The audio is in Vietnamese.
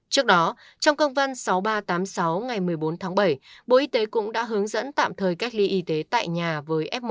trước đó trong công văn sáu nghìn ba trăm tám mươi sáu ngày một mươi bốn tháng bảy bộ y tế cũng đã hướng dẫn tạm thời cách ly y tế tại nhà với f một